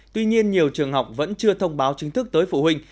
tuy nhiên nhiều trường học vẫn chưa thông báo chính thức tới phụ huynh